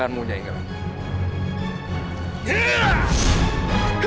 anda bahkan masih baik